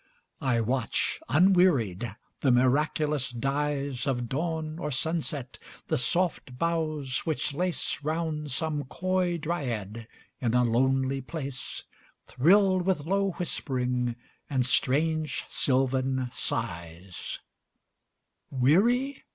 I watch, unwearied, the miraculous dyesOf dawn or sunset; the soft boughs which laceRound some coy dryad in a lonely place, Thrilled with low whispering and strange sylvan sighs:Weary?